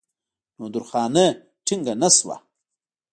نو درخانۍ ټينګه نۀ شوه